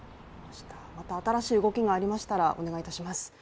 また新しい動きがありましたらお願いいたします。